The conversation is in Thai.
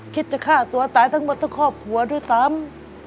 คิดจะฆ่าตัวตายทั้งหมดทั้งครอบครัวด้วยซ้ำ